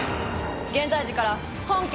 現在時から本件